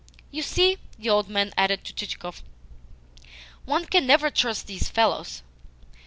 "You see," the old man added to Chichikov, "one can never trust these fellows."